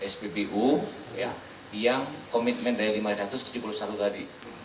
spbu yang komitmen dari lima ratus tujuh puluh satu tadi